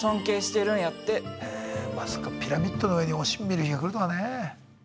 へえまさかピラミッドの上におしん見る日が来るとはね。